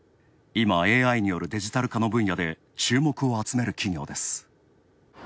今、ＡＩによるデジタル化の分野で注目を集める企業です。